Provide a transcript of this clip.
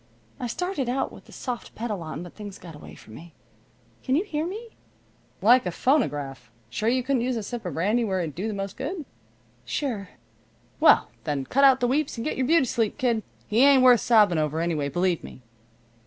I started out with the soft pedal on, but things got away from me. Can you hear me?" "Like a phonograph. Sure you couldn't use a sip of brandy where it'd do the most good?" "Sure." "Well, then, cut out the weeps and get your beauty sleep, kid. He ain't worth sobbing over, anyway, believe me."